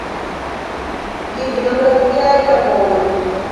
Bibliografiaj laboroj.